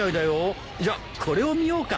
じゃこれを見ようか。